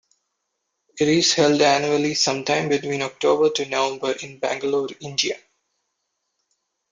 It is held annually sometime between October to November in Bangalore, India.